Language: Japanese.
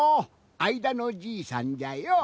あいだのじいさんじゃよ。